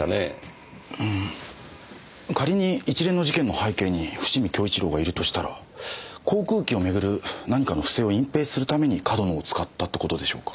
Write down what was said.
ん仮に一連の事件の背景に伏見享一良がいるとしたら航空機をめぐる何かの不正を隠蔽するために上遠野を使ったって事でしょうか。